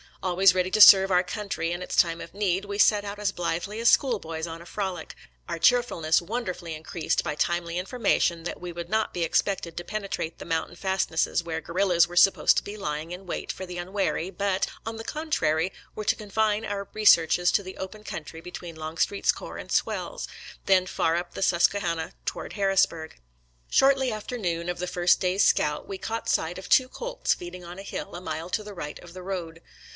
Always ready to serve our country in its time of need, we set out as blithely as schoolboys on a frolic, our cheerfulness wonderfully increased by timely information that we would not be expected to penetrate the mountain fastnesses where guerrillas were supposed to be lying in wait for the unwary, but, on the contrary, were to confine our researches to the open country between Longstreet's corps and Swell's, then far up the Susquehanna toward Harrisburg. Shortly after noon of the first day's scout we caught sight of two colts feeding on a hill a mile to the right of the road.